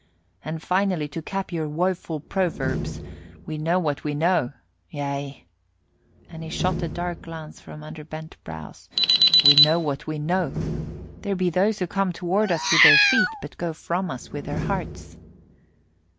And finally, to cap our woeful proverbs, we know what we know yea," and he shot a dark glance from under bent brows, "we know what we know; there be those who come toward us with their feet, but go from us with their hearts."